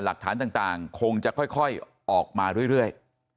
หลักฐานต่างคงจะค่อยออกมาเรื่อย